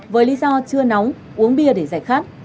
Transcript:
với lý do chưa nóng uống bia để giải khát